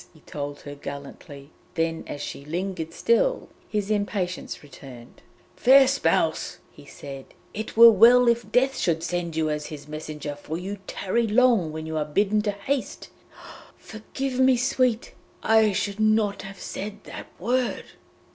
he told her gallantly. Then, as she lingered still, his impatience returned: 'Fair spouse,' he said, 'it were well if Death should send you as his messenger, for you tarry long when you are bidden to haste! Forgive me, Sweet! I should not have said that word!'